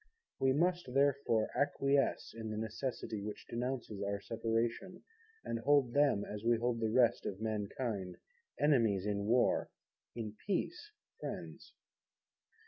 We must, therefore, acquiesce in the necessity, which denounces our Separation, and hold them, as we hold the rest of mankind, Enemies in War, in Peace Friends.